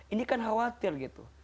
ini kan khawatir gitu